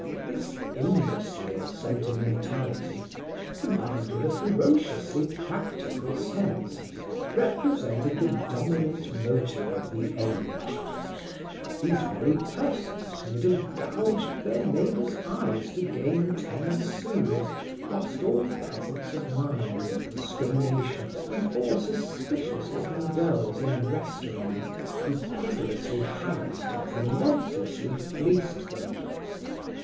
This imbecile sentimentality, combined with a ferociously practical sense, represented the dominant motive of the age. These very persons who would have gouged their neighbors' eyes to gain ten sous, lost all presence of mind and discrimination before suspicious looking girls in restaurants who pitilessly harassed and relentlessly fleeced them.